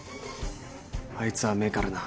あいつは甘えからな。